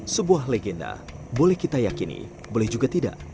sebuah legenda boleh kita yakini boleh juga tidak